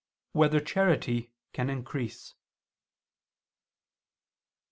4] Whether Charity Can Increase?